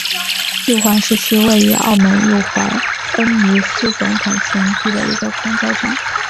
路环市区位于澳门路环恩尼斯总统前地的一个公车站。